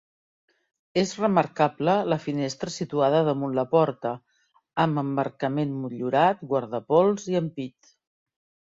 És remarcable la finestra situada damunt la porta, amb emmarcament motllurat, guardapols i ampit.